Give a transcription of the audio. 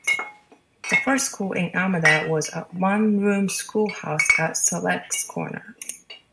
The first school in Armada was a one-room schoolhouse at Selleck's Corners.